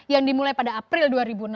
yang dimulai pada april dua ribu enam belas